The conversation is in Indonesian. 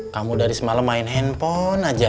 kamu dari semalam main handphone aja